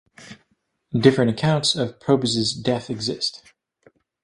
Different accounts of Probus's death exist.